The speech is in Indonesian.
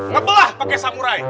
ngapalah pakai samurai